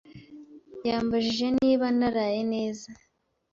Yambajije niba naraye neza.